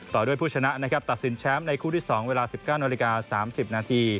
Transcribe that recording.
ต่อด้วยผู้ชนะตัดสินแชมป์ในคู่ที่๒เวลา๑๙น๓๐น